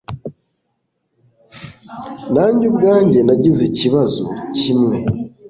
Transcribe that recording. Nanjye ubwanjye nagize ikibazo kimwe.